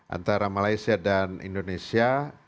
antara malaysia dan indonesia